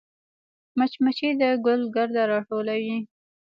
مچمچۍ د ګل ګرده راټولوي